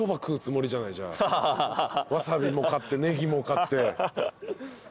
わさびも買ってねぎも買って。